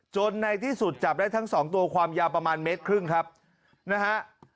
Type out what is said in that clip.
ในที่สุดจับได้ทั้งสองตัวความยาวประมาณเมตรครึ่งครับนะฮะ